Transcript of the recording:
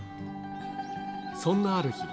そんなある日。